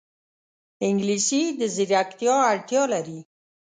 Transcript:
انګلیسي د ځیرکتیا اړتیا لري